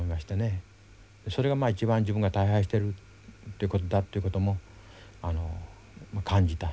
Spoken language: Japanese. それが一番自分が退廃してるってことだっていうことも感じた。